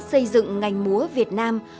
xây dựng ngành múa việt nam